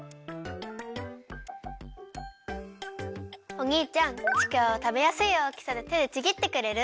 おにいちゃんちくわをたべやすいおおきさにてでちぎってくれる？